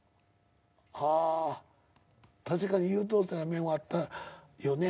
「たしかに優等生な面はあったんよね